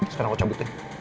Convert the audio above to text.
sekarang gue cabutin